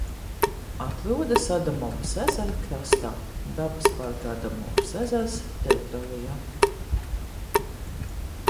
"Atrodas Adamovas ezera krastā, dabas parka "Adamovas ezers" teritorijā."